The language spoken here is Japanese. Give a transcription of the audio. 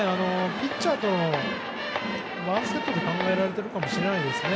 ピッチャーとワンセットで考えられてるかもしれないですね。